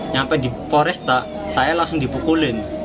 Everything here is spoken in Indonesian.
sampai di foresta saya langsung dibukulin